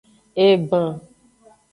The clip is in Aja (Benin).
Egban.